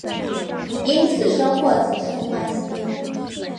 因此深获景胜欢心。